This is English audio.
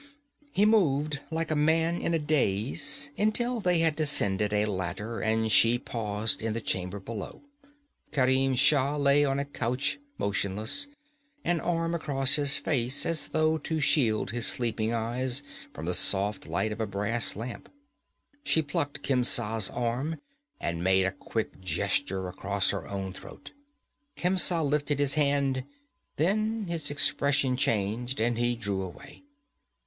He moved like a man in a daze, until they had descended a ladder and she paused in the chamber below. Kerim Shah lay on a couch motionless, an arm across his face as though to shield his sleeping eyes from the soft light of a brass lamp. She plucked Khemsa's arm and made a quick gesture across her own throat. Khemsa lifted his hand; then his expression changed and he drew away.